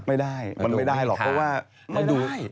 มันไม่ได้หรอกเพราะว่า